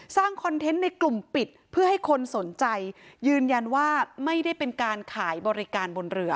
คอนเทนต์ในกลุ่มปิดเพื่อให้คนสนใจยืนยันว่าไม่ได้เป็นการขายบริการบนเรือ